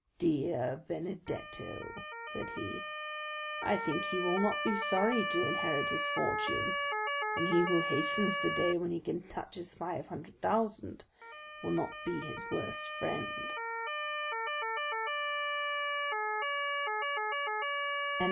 "Dear Benedetto," said he, "I think he will not be sorry to inherit his fortune, and he who hastens the day when he can touch his five hundred thousand will not be his worst friend."